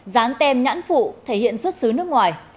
dán tem nhãn phụ thể hiện xuất xứ nước ngoài